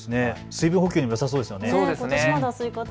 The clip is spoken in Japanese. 水分補給にもよさそうですね。